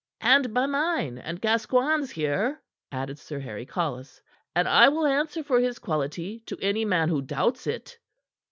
"And by mine and Gascoigne's here," added Sir Harry Collis, "and I will answer for his quality to any man who doubts it."